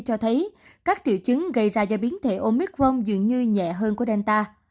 cho thấy các triệu chứng gây ra do biến thể omicron dường như nhẹ hơn của delta